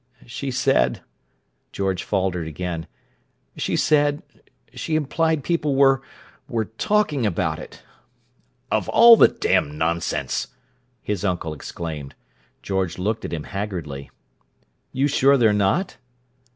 "She said—" George faltered again. "She said—she implied people were—were talking about it." "Of all the damn nonsense!" his uncle exclaimed. George looked at him haggardly. "You're sure they're not?"